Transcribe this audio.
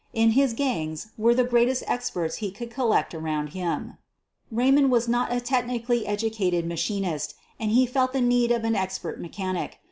In his gang* <SUEEN OF THE BURGLARS 57 were the greatest experts he could collect around him. Raymond was not a technically educated ma chinist, and he felt the need of an expert mechanic.